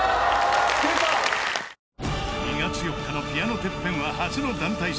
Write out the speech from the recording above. ［２月４日のピアノＴＥＰＰＥＮは初の団体戦］